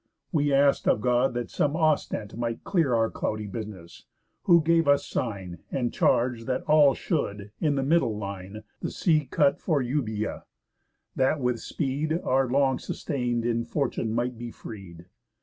We ask'd of God that some ostent might clear Our cloudy business, who gave us sign, And charge, that all should, in a middle line, The sea cut for Eubœa, that with speed Our long sustain'd infortune might be freed.